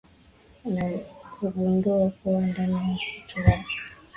na kugundua kuwa ndani ya msitu wa